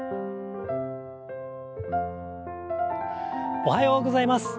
おはようございます。